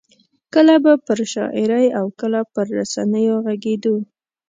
کله به پر شاعرۍ او کله پر رسنیو غږېدو.